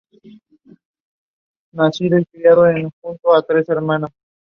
El primer ministro de Hacienda fue el precursor Hipólito Unanue.